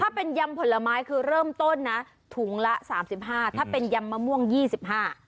ถ้าเป็นยำผลไม้คือเริ่มต้นนะถุงละสามสิบห้าถ้าเป็นยำมะม่วงยี่สิบห้า